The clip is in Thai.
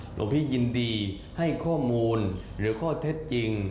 หลวงพี่ยินดีให้ข้อมูลหรือข้อเท็จจริง